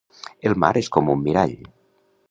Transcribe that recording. El mar és com un mirall.